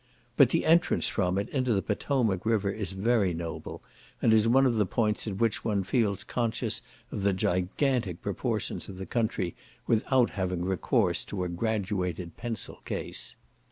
But the entrance from it into the Potomac river is very noble, and is one of the points at which one feels conscious of the gigantic proportions of the country, without having recourse to a graduated pencil case.